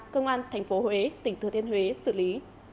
công an tp huế tỉnh thừa thiên huế xử lý